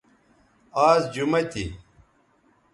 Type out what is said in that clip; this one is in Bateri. آز جمہ تھی